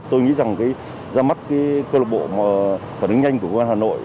tôi nghĩ rằng ra mắt cơ lộc bộ phản ứng nhanh của công an hà nội